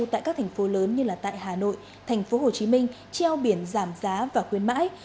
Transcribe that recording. tại các thành phố lớn như hà nội tp hcm treo biển giảm giá và khuyên mãi